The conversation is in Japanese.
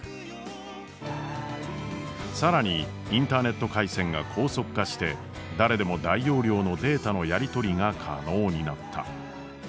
更にインターネット回線が高速化して誰でも大容量のデータのやり取りが可能になった。